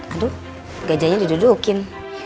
aduh pegajanya didudukin